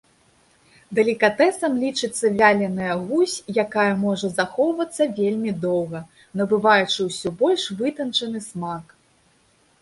Далікатэсам лічыцца вяленая гусь, якая можа захоўвацца вельмі доўга, набываючы ўсё больш вытанчаны смак.